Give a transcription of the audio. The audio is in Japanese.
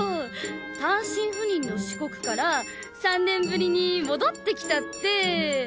単身赴任の四国から３年ぶりに戻って来たって。